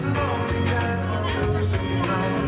โลกที่เกิดออกมาสุดท้าย